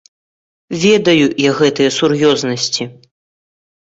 Ведаю я гэтыя сур'ёзнасці.